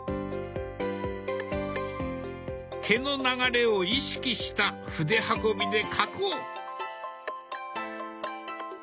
毛の流れを意識した筆運びで描こう。